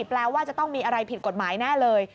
แปลว่าจะต้องมีอะไรผิดกฎหมายแน่เลย